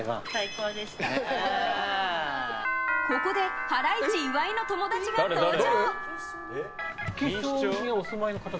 ここでハライチ岩井の友達が登場。